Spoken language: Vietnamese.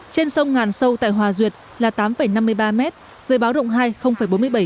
trên sông ngàn sâu tại hòa duyệt là tám năm mươi ba m dưới báo động hai bốn mươi bảy m